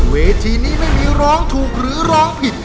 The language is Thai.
เวทีนี้ไม่มีร้องถูกหรือร้องผิด